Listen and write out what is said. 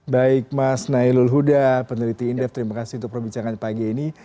baik mas nailul huda peneliti indef terima kasih untuk perbincangan pagi ini